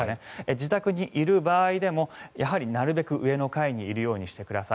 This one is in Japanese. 自宅にいる場合でもやはりなるべく上の階にいるようにしてください。